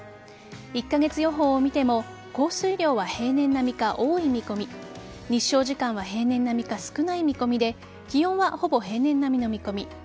１カ月予報を見ても降水量は平年並みか多い見込み日照時間は平年並みか少ない見込みで気温はほぼ平年並みの見込み。